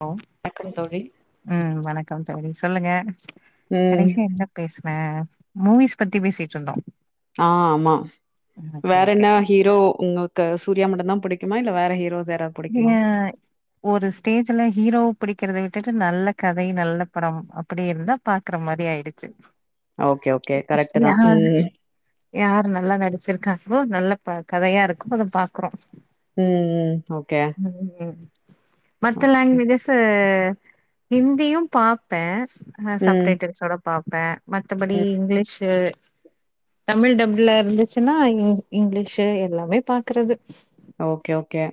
Hello வணக்கம் தோழி ம் வணக்க [unintelligible] சொல்லுங்க ம் கடைசியா என்ன பேசுன மூவிஸ் பத்தி பேசிட்டு இருந்தோ ஆ ஆமா வேற ஓகே என்ன ஹீரோ உங்களுக்கு சூர்ய மட்டு தா புடிக்கும் சும்மா இல்ல வேற ஹீரோஸ்ஸ ஏ ஒரு ஸ்டேஜ்ல ஹீரோ பிடிக்கறத விட்டுட்டு நல்ல கதை நல்ல படம் அப்டி இருந்தா பாக்குற மாரி ஆயிடுச்சு ஓகே ஓகே கரெக்ட் தா யாரு ம் யார் நல்லா நடிச்சிருக்கா இவ்ளோ நல்ல கதையா இருக்கு அதா பாக்குறோ ம் ம் ஓகே ம்ம் மத்த ஓகே லாங்வேஜ்ஜஸு ஹிந்தியும் பாப்பே ஆ ம் சப்டைட்டில்ஸ் ஓட பாப்பே மத்தபடி ம் இங்கிலீஷு தமிழ் டப்ல இருந்துச்சுன்னா இங்கிலீஷ் எல்லாமே பாக்குறது ஓகே ஓகே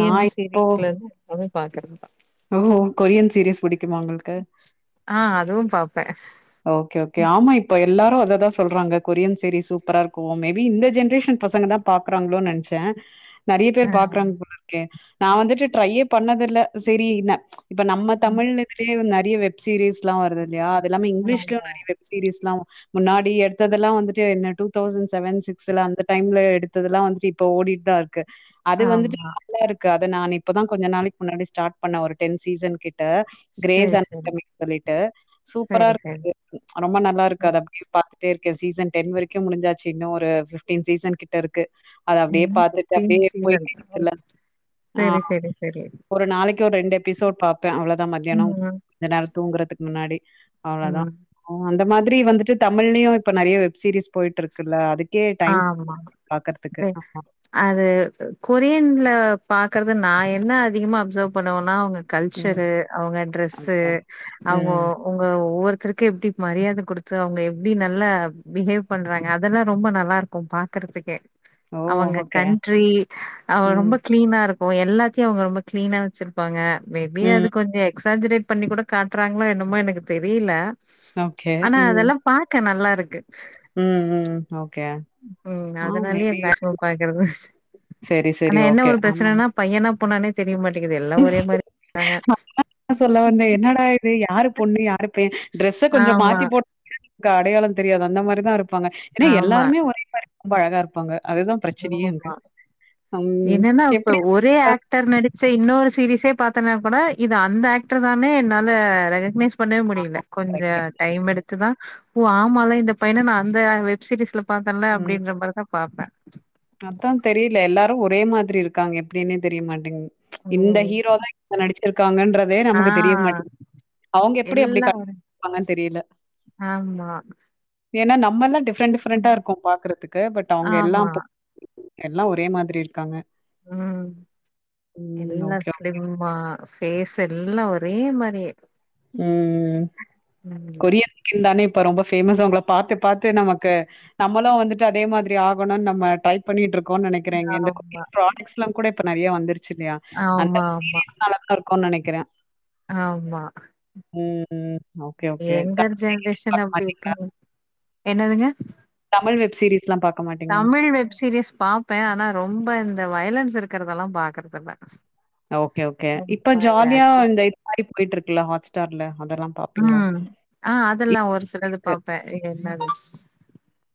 நா இப்போ சீரீயஸ்ல அது பார்கறது ஓ கொரியன் சீரீஸ் புடி ஆ அதுவும் பாப்பே ஓகே ஓகே ஆமா இப்ப எல்லாரு அததா சொல்றாங்க கொரியன் சீரிஸ் சூப்பரா இருக்கும் மேபீ இந்த ஜென்ரேஷன் பசங்க தான் பாக்குறாங்களோ நெனச்சேன். நெறய பேர் ஆ பாக்குறாங்க போலருக்கே நா வந்துட்டு ட்ரையே பண்ணது இல்ல சேரி என்ன இப்ப நம்ம தமிழ் ம், இதுலே நெறய வெப் சீரீஸ் லாம் வருதுல்யா அது எல்லாமே லிஸ்ட்ல ஆமா நெறய வெப்‌சீரிஸ்லாம் முன்னாடி எடுத்ததெல்லா வந்துட்டு என்ன டூ தௌசண்ட் செவன் சிக்ஸ்ல அந்த டைம்ல எடுத்ததெல்லா வந்துட்டு இப்ப ஓடிட்டு தா இருக்கு இங்கு அது வந்துட்டு ஆமா நல்லா இருக்கு அத நா இப்பதா கொஞ்ச நாளைக்கு முன்னாடி ஸ்டாட் பண்ணே ஒரு டென் சீசன் கிட்ட சேரி கிரேசான் சேரி கம்மி பண்ணிட்டு சூப்பரா சேரி இரு சேரி ரொம்ப நல்லா இருக்கு சேரி அத அப்டியே பாத்துட்டே இரு சீசன் டென் வரைக்கு முடிஞ்சாச்சு இன்னு ஒரு ஃபிப்டீன் சீசன் கிட்ட இருக்கு அத அப்டியே இன்னு பாத்துட்டு ஃபிப்டீன் அப்டியே சீசன் போய்கிட்டே இருக்குல ஆ சேரி சேரி சேரி ஒரு நாளைக்கு ஒரு ரெண்டு எபிசோட் பாப்பே அவ்வளவுதா மத்தியானம் ம் கொஞ்சோ நேரம் தூங்குறதுக்கு முன்னாடி அவ்வளதா ம் அந்த மாதிரி வந்துட்டு தமிழ்லயும் இப்ப நெறய வெப் சீரிஸ் போயிட்டு இருக்குல்ல அது ஆமா அது கொரியன்ல பாக்குற நா என்ன அதிகமா அப்சர்வ் பண்ணுவனா அவுங்க ம் கல்ச்சரு அவுங்க ட்ரெஸ்ஸூ ஓகே அவங்க ம் உங்க ஒவ்வொரு எப்டி மரியாத கொடுத்து அவுங்க எப்டி நல்லா பிகேவ் பண்றாங்க அதல்லா ரொம்ப நல் ல்லாருக்கும் பாக்கற்துக்கு ஓ அவங்க ஓகே கண்ட்ரி அவ ம் ரொம்ப கிளீனா இரு க்கு எல்லாத்தையு அவுங்க ரொம்ப க்ளீனா வச்சுருப்பாங்க மேபி ம் அது கொஞ்ச எக்ஸாஜரேட் பண்ணி கூட காட்றாங்களோ என்னமோ எனக்கு தெரில ஓகே ஆனா ம் அதல்லா பாக்க நல்லாரு க்கு ம் ம் ஓகே ம் ஆ அதனாலயே மேபி [unintelligible] பாக்குறது செரி செரி ஆனா என்ன ஒரு பிரச்சனனா பையனா பொண்ணானே தெரிய மாட் நா [inaudible] சொல்ல வந்தே என்னடா இது யாரு பொண்ணு யாரு பைய ட்ரெஸ்ஸ கொஞ்சொ ஆமா மாத்தி போ [inaudible] கு அடையாளம் தெரியாது அந்த மாரிதா இரு ப்பாங்க ஏனா ஆமா எல்லாருமே ஒரே மாரி ரொம்ப அழகா இரு ஆமா ம். என்னனா இப்ப எப்படி ஒரே இருக்கா? ஆக்டர் நடிச்ச இ இன்னொரு சீரிஸே பாத்தனா கூட இது அந்த ஆக்டர் தானே என்னால ரெகக்னைஸ் பண்ணவே முடியில ஆமா கொஞ்ச கரெக்ட்டு. டைம் எடுத்துதா ஓ ஆமால இந்த பையன நா அந்த வெப்சிரிஸ்ல பாத்தல்ல அப்டின்ற மாரிதா பாப்பே அதா தெரியில எல்லாரு ஒரே மா திரி இருக்காங்க எப்டின்னே தெரிய மாட்டெங்து இந்த ம் ஹீரோதா இங்க நடிச்சு இருக்காங்கன் றதே ஆ நமக்கு தெரிய மாட்டிக்கிது அவுங்க எப்படி அப்டி எல்லா ஒரு [inaudible] தெரியில ஆமா ஏனா நம்மல்லா டி ஃப்ரென்ட் டிஃப்ரென்ட்டா ம் இருக்கோ பாக்குறதுக்கு பட் அவுங்க எல்லா ஆமா போ எல்லா ஒரே மாதிரி இருக்காங்க ம் ம். எல்லா ஓகே. ஸ்லிம் மா ஃபேஸ் எல்லா ஒரே மாரி ம்ம்ம்ம் கொரிய கின்தானே இப்ப ரொம்ப ஃபேமஸ் உங்கள பாத்து பாத்து நமக்கு நம்மளு வந்துட்டு அதே மாரி ஆகணும்னு நம்ம டைப் பண்ணிட்டு இருக் கோ நெனைக்கிறேங்க இந்த குட்டி ஆமா ப்ராஜெக்ட்ஸ்ல்லா கூட ப்ப நெறைய வந்துருச் சேரியா அந்த ஆமா ஆமா பீரீயஸ்னால தா இருக் ஒ நெனைக்கிறே ஆமா ம்‌ ம் ஓகே ஓகே எங்கர் ஜென்ரேஷன் அப்டி இருக்காங்க [unintelligible] என்னதுங்க தமிழ் வெப் சீரீஸ்லா பாக்க மாட்டீங்களா? தமிழ் வெப் சீரிஸ் பாப்பே ஆனா ரொம்ப இந்த வயலன்ஸ் இருக்கிறதெல்லா பாக்குறதில்ல ஓகே ஓகே இப்ப ரொம்ப ஜாலியா அடி இந்த இது மாரி போயிட்டு இருக்குல ஹ தர்ல ம் ஆ அதெல்லா ஒரு சிலது இருக்கு பாப்பே [unintelligible]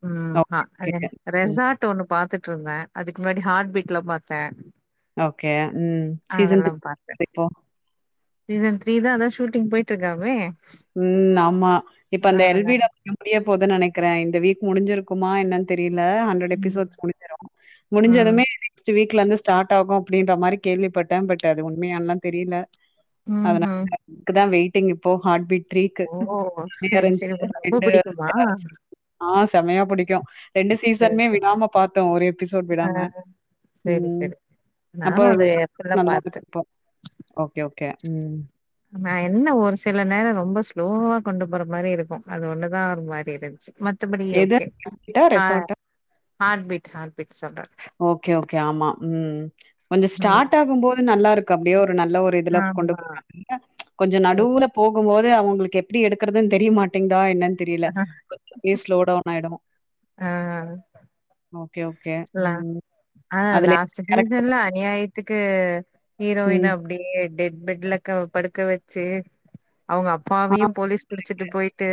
ம் ஹ ஓகே ம் ரெசார்ட் ஒண்ணு பாத்து ட்ருந்தே அதுக்கு முன்னாடி ஹார்ட் பீட்லா‌ பாத்தே ஓகே ம் சீசன் த்ரி பாத்தேன். இப்போ சீசன் த்ரீ தா அதான் ஷூட்டிங் போயிட்டு இருக்காமே ம் ஆமா இப்ப அந்த எல் பி டபள்யூ முடிய போது நெனைக் க்கிறே இந்த வீக் முடிஞ்சிருக்குமா என்னானு தெரில ல ஹண்ட்ரட் ம். எபிசோட்ஸ் முடிஞ்சிரும் ம். முடிஞ்சதுமே நெக்ஸ்ட் வீக் க்ல இருந்து ஸ்டார்ட் ஆகு அப்டின்ற மாரி கேள்விப்பட்டே பட் அது உண்மையான்லா தெரில அதனால ம்ஹ்ம். அதுகுதா வெயிட் டிங் இப்போ ஹாட் பீ்ட் த்ரீக்கு ஓ! சரி, சரி. உங்களுக்கு ரொம்ப பிடிக்குமா? [unintelligible] ஆ செமையா பிடிக்கு ரெண்டு சீசன்மே விடாம பாத்தோ ஒரு எபிசோட் அ விடாம சேரி ம் சேரி அப்போ நானு அது எப்டிதா நல்லா பாத்தே இருக்கு இப்போ ஓகே ஓகே ம் நா என்ன ஒரு சில நேர ரொம்ப ஸ்லோவா கொண்டு போற மாரி இருக்கு அது ஒண்ணு தா ஒரு மாரி இருந்ச்சு எத [unintelligible] டா ரெசார்ட்டா ஹாட்பிட் ஹாட் ஓகே ஓகே ஆமா ம் [unintelligible] கொஞ்ச ம். ஸ்டார்ட் ஆகும் போது நல்லாருக் கப்டியோர் ஒரு நல்ல ஒரு இதுல கொண்டு ஆமா. போறாங்கல்ல கொஞ்சோ ம். நடுவுல போகும்போது து அவுங்ளுக்கு எப்டி எடுக்றதுனு தெரிய மாட்டேங் தா என்னன் தெரில கொஞ்சோ அப்டே ஸ்லோ டவுன் ஆய்டும் ஆ ஓகே ஓகே இல்ல ம். ஆ அதுல லாஸ்ட்டு கரெக்ட். சீசன்லா அநியாயத்து கு ஹீரோயின் ம். அப்டியே டெட் பெட்லக்க அவா படுக்க வச்சி அவுங்க அப்பாவையும் போலீஸ் புடிச்சிட்டு போய்ட்டு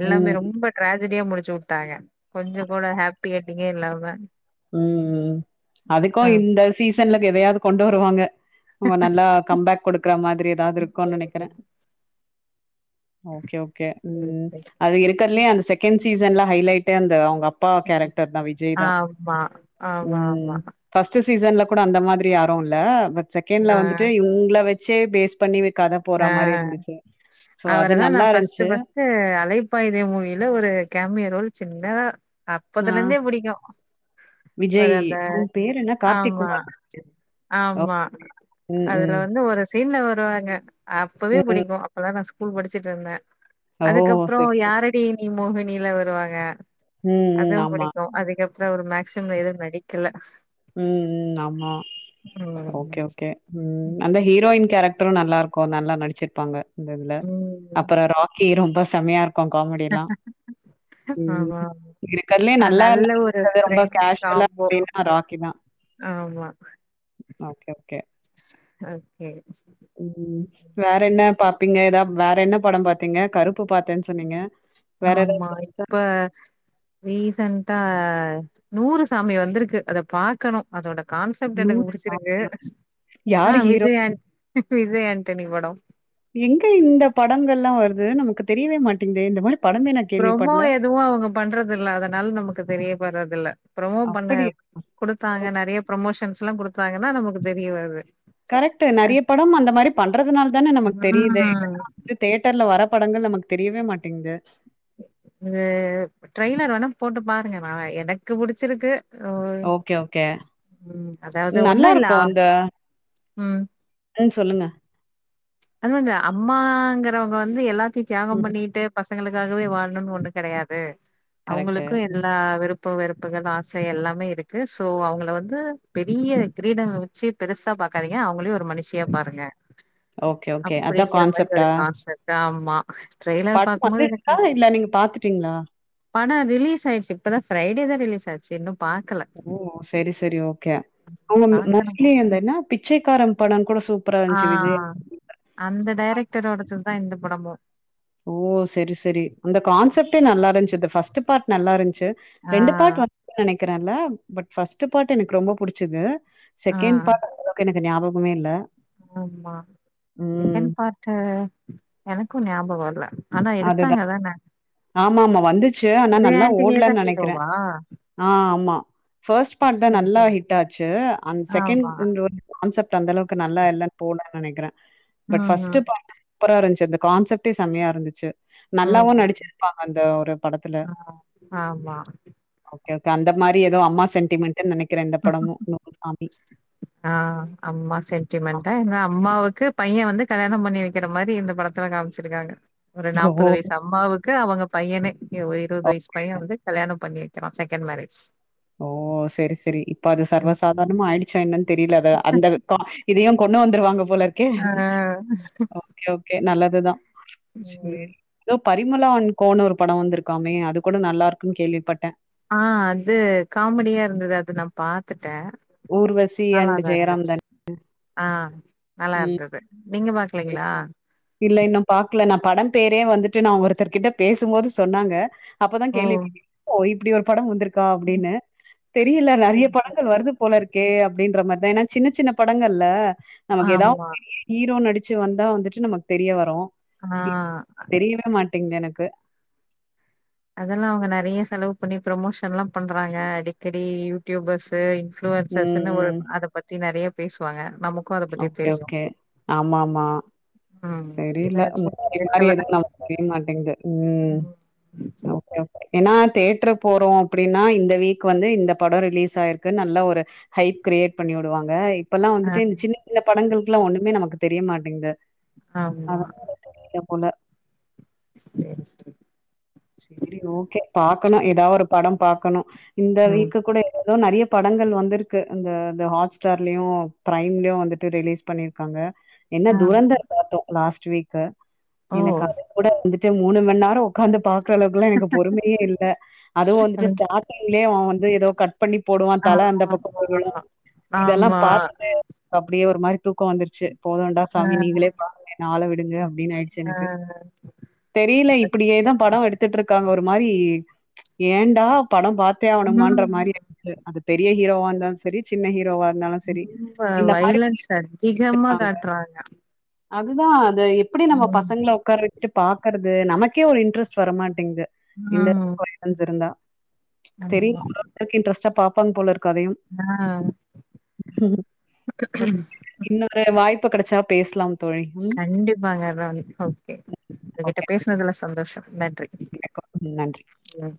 எல்லாமே ம். ரொம்ப டிராஜ் [unintelligible] முடிச்சு உட்டாங்க கொஞ்சோ கூட ஹாப்பி எட் எண்டிங்கே இல்லாம ம் ம் ஆ. அதுக்கும் இந்த சீஸ் சன்ல எதையாது கொண்டு வருவாங்க அவங்க நல்லா கம்பேக் குடுக்குற மாதிரி ஏதாவது இருக்குன்னு நனைக்கிற ம். ஓகே ஓகே சரி, ம் சரி. அது இருக்கருலே அந்த செகண்ட் சீசன்ல ஹைலைட்டே அந்த அவுங்கப் பா கேரக்டர் தா விஜய் தா ஆ ஆமா ஆமா சீசன்ல கூட அந்த மாதிரி யாரும் இல்ல பட் செகண்ட்ல ஆ வந்துட்டு இவ்ங்ள வச் செ பேஸ் பண்ணி வச் ஆ அது அவரதா நா நல்லா ஃபர்ஸ்ட்ட் இருந்துச்சு பஸ்ட்ட் அலைப்பாயுதே மூவில ஒரு கேமிய ரோல் சின்னதா [inaudible] ஆ புடிக்கும். ஒரு விஜய் அந்த அவுங்க பேரு என்ன கார்த்திக் ஆமா, குமார் ஓ ஆமா ம் அதுல ம் வந்து ஒரு சீன்ல வருவாங்க அப்பவே ம் பிடிக்கும் அப்பதா நா சொ கூல் படிச்சிட்டு இருந்தே ஓ அதுக்கப்பறம் சரி சரி யாரடி நீ மோகின் நீல வருவாங்க ம் ம் அதும் ஆமா பிடிக்கும் அதிகம் அ ஒரு மேக்சிம் எதுவு நடிக்கல ம்ம் ஆமா ஓகே ம். ஓகே ம்ம் அந்த ஹீரோயின் கேரக்டரு நல்லா இருக்கு நல்லா நடிச்சுருப்பாங்க இந்தல ம். அப்பறம் ராக்கிரும் அப்ப சமயா இருகண காமெடி எல்லா ம் ஆமா. இருக்கிறதுலயே அது நல்லா நல்ல ஒரு இருக்க ரொம்ப ஃப்ரெண்ட்லி கேசுவவா காம்போ. அப்டின்னா ராக் கினா ஆமா. ஓகே ஓகே ஓகே ம் வேற [unintelligible] வேற என்ன படம் பாத்திங்க கரும்பு பாத்தேன்னு சொன்னீங்க வேற ஆமா ஏதாவது இருக்கா? இப்ப ரீசன்டா ஹா நூறு சாமி வந்திருக்கு அத பாக்கணு அதோட கான்சப்ட் எனக்கு புடிச்சிருக்கு சாமியா? ஆ யாரு ஹீரோ? விஜய்அண் விஜய் ஆண்டனி பட எங்க இந்த படங்கெல்லா வருது நமக்கு தெரியவே மாட்டீங்குதே இந்த மாரி படமே நான் ரொம்போ கேள்விப்படல. எதும் அவுங்க பண்றது இல்ல அதனால நமக்கு தெரியப்பறது இல்ல ப்ரமோ பண்ண அப்படியா? குடுத்தாங்க நெறைய ப்ரொமோஷன்ஸ் ல்லா குடுத்தாங்கன்னா நமக்கு தெரியவருது கரெக்ட் நெறைய பட அந்த மாரி பண்றதுனால தானே நமக்கு தெரியுது ம் இதெல்லா தேட்டர்ல வர படங்கள் நமக்கு தெரியவே மாட்டேங்குது ம்‌ ட்ரெய்னர் வேணா போட்டு பாருங்க நா எனக்கு புடிச்சிருக்கு ஓ ஓகே ஓகே ம் அதாவது ஒன்னு இல்ல ம் ஆ சொல்லுங்க இல்ல இல்ல அம்மாங்குறவுங்க வந்து எல்லா தியாகம் ம் பண்ணிட்டு பசங்களுக் காகவே வாழணும்ன்னு ஒன்னு கெடையாது கரெக்ட்டு. அவுங்களுக்கு ம். எல்லா விருப் ப்பு வெறுப்புகள் ஆசை எல்லாமே இருக்கு சோ அவுங்கள வந்து பெரிய கிரீடம் வச்சு பெருசா பாக்காதீங்க அவுங்களயும் ஒரு மனுஷியா பாருங்க ஓகே, ஓகே. அதான் அப்படிங்கிற மாதிரி ஒரு கான்செப்ட்டா? கான்செப்ட்டா ஆமா ட்ரெய்லர் படம் பாக்கும்போது வந்துச்சுக்கா இல்ல நீங்க பாத்துட்டீங்களா ஆனா ரிலீஸ் ஆயிடுச்சு இப்ப தான் பிரரைடே தான் ரிலீஸ் இன்னும் ஓ செரி செரி ஓகே அவுங்க பாக்கணு மோஸ்ட்லி எந்தனா பிச்சைக்காரன் படம் கூட சூப்பரா ஆ இருந்துச்சு விஜய் அந்த டைரக்டரோட சொல் தான் இந்த படமும் ஓ செரி செரி அந்த கான்செப்ட்டே நல்லா இருந்துச்சு ஃபர்ஸ்ட் பார்ட் நல்லா இருந்து ஆ ச்சுரெண்டு பார்ட் வந்து எனக் இருக்கேன்ல பட் ஃப்ர்ஸ்ட் பார்ட் எனக்கு ரொம்ப புடிச்சுது ஆ செக்ண்ட் பார்ட் ஞாபகமே இல்ல ஆமா ம் செக்ண்ட் பார்ட்டு எனக்கும் ஞாபகம் இல்ல ஆனா எடுத்தாங்க அதுதான் தானே ஆமா ஆமா வந்துச்சு ஆனா நல்லா தா ஓடலன்னு நெனைக்கிறேன் ஹீரோவா ஆ ஆமா ஃபர்ஸ்ட் பார்ட் தான் செரி நல்லா செரி ஹிட் ஆச்சு அண்ட் செகண்ட் ஆமா கான்சப்ட் அந்தளவுக்கு நல்லா இல்ல போலன்னு நெனைக்கிறேன் பட் ம் ஃபர்ஸ்ட் ம் பார் அப்பரரா இருந்துச்சு அந்த கசெப்டே செமையா இருந்துச்சு நல்லாவும் ம் நடிச்ச இருப்பாங்க இந்த ஒரு படத்துல ஆ ஆமா அந்த மாதிரி ஏதோ அம்மா சென்டிமெண்ட் ஆஹ் அம்மா சென்மெண்டா என் அம்மா பையன் வந்து கல்யாணம் பண்ணி வைக்கிற மாதிரி இந்த படத்துல காமிச்சிருக்காங்க ஒரு ஓ! நாற்பது வயசு அம்மாவுக்கு அவங்க பையன இருபது வயசு பையன் வந்து கல்யாணம் பண்ணிரு செகண்ட் மேரட்ஸ் ஓ சரி சரி இப்ப அது சர்வசாதாரணமா ஆயிடுச்சு என்னந்து தெரியலாத அந்த இதையும் கொண்டு வந்துருவாங்க போல இருக்கே ஆ. ஓகே ஓகே நல்ல இதுதான் உம் பரிமுலான்கோ னு ஒரு படம் வந்திருக்காமே அது கூட நல்லாருகுன் கேள்விபட்டேன் ஆன் அது காமெடியா இருந்துது அது நான் பாத்துட் ஊர்வசி அண்ட் நல்லாதான் ஜெயராம் இருந்துச்சு தான? ஆஆ நல்லா ம். இருந்துது நீங்க பாக்லைங்களா இல்ல இன்னும் பாக்ல நான் படம் பேரே வந்துட்டு நா ஒருத்தர்கிட்ட பேசும்போது சொன்னாங்க அப்ப தான் ஓ! கேல்வி [unintelligible] அப்டி ஒரு படம் வந்திருக் க்கா அப்படினு தெரியில சரி, நிறைய சரி. படங்கள் வருது போல இருக் கே அப்படின்ற மாதிரிதான் ஏன்னா சின்ன சின்ன படங்கள்ல நமக்கு ஏதாவது ஆமா. பெரிய ஹீரோ நடிச் வந்தா வந்துட்டு நமக் தெரிய வர்ரோ ஆஹா ஹா டிங்க னக்கு அதெல்லா அவுங்க நிறைய செலவு பண்ணி ப்ரமோஷன் லாம் பண்றாங்க அடிக்கடி யூடியூபர்ஸ் இன் ம், இனுவர்சஸ்ன்னு ஒரு அத பத்தி நெறைய பேஸ்வாங்க ஓக்கே ஓக்கே ஆமா மா ம் இது தெரிய்ல அதிக முந்தி மாரி பேசல எதுவு நமக்கு தெரிய மாட்டேங்து [unintelligible] ஏன்னா தேட்டர் போறோ அப்டின்னா இந்த வீக் வந்து இந்த படோ ரிலீஸ் ஆயிருக்னு நல்ல ஒரு ஹைப் கிரேயேட் பண்ணி விடுவாங்க இப்பெல்லா ஆ வந்துட்டு இந்த சின்னச்சின்ன படங்களுக்குலா ஒண்ணமே நமக்கு தெரியமாட்டேங்து ஆம்மா போல சேரிசெரி சரி ஓகே பாக்கணு ஏதாவ ஒரு படோ பாக்கணு இந்த ம் வீக்குக்கூட ஏதோ [unintelligible] நிறையா படங்கள் வந்திருக்கு அந்த ந்த ஹாட்ஸ்டார்லையு பிரைம்லையு வந்துட்டு ரிலீஸ் பண்ணிர்க்காங்க என்ன ஆமா தூரந்தர் பாத்தோ லாஸ்ட் ட்சுவீக்க ஓ எனக்கு அது கூட வந்துட் [unintelligible] மூணுமண் நேரொ உக்காந்து பாத் க்குர அளவுக்கலா எனக்கு பொறுமையே இல்ல அதுவு வந்துட்டு அது ஸ்டாட்டிங் ஏ அவ வந்து ஏதோ கட் பண்ணி போடுவா தல அந்த பக்கோ ஆமா போய் விலோ இதெல்லா ஆமா பாத்துட்டு அப்டியே ஒரு மாரி தூக்கோ வந்துருச்சு போதுண்டா ஆ சாமி நீங்களே பாருங்கனு ஆள விடுங்க அப்டின்னு ஆயிடுச்சு ஆ எனக்கு தெரியல இப்டி ஏ தா படோ எடுத் ஒரு மாரி ஏண்டா படம் பாத்தே ஆவணுமா இன்ற ம் மாரி இருக்கு அது பெரிய ஹீரோவான்தாஸ் சேரி சின்ன ஹீரோவா இருந்தாலு சரி ரொம்ப இந்த மாரி வைலன்ஸ் அதிகமா இருக்காங்க காட்டுறாங்க அதுதா இத எப்டி நம்ம பசங்கள உக்கார வேக் ட்டு பாக்குறது நமக்கே ஒரு இன்ட்ரெஸ்ட் வரமாட்டேங்குது இந்த ம் அளவுகு வைலன்ஸ் இருந்தா ஆமா தெரியல அந்த அளவுக்கு இன்ட்ரெஸ்ட்டா பாப் பாங் போலருக் கதையு ஆ இன்னொரு வாய்ப் [unintelligible] கெடைச்சா பேச்லான் கண்டிப்பாங்க ராணி ஓகே உங்ககிட்ட ஓகே. பேசுனதுல சந்தோஷோ ந்ந ட்ரை வணக்கம். நன்றி. உ